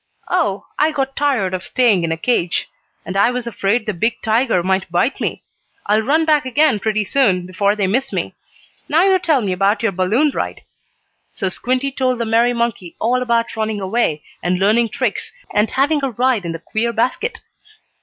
"Oh, I got tired of staying in a cage. And I was afraid the big tiger might bite me. I'll run back again pretty soon, before they miss me. Now you tell me about your balloon ride." So Squinty told the merry monkey all about running away, and learning tricks, and having a ride in the queer basket.